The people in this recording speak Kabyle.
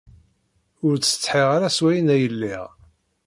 Ur ttsetḥiɣ ara s wayen ay lliɣ.